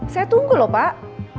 saya tunggu loh pak